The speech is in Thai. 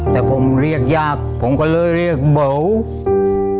แต่ผมเรียกยากผมก็เลยเรียกเบา